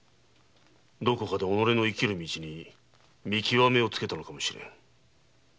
どこかで己の生きる道に見極めをつけたのかもしれん。